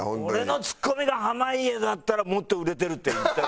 「俺のツッコミが濱家だったらもっと売れてる」って言った。